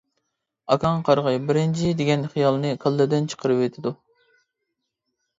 ئاكاڭ قارىغاي بىرىنچى دېگەن خىيالنى كاللىدىن چىقىرىۋېتىدۇ.